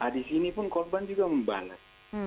di sini pun korban juga membalas